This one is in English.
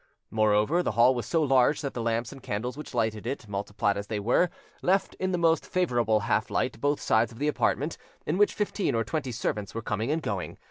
Moreover, the hall was so large that the lamps and candles which lighted it, multiplied as they were, left in the most favourable half light both sides of the apartment, in which fifteen or twenty servants were coming and going.